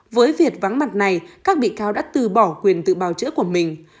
với việc vắng mặt này các bị cáo đã từ bỏ quyền tự bào chữa của mình